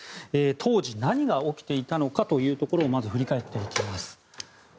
当時、何が起きていたのかというところをまず振り返っていきます。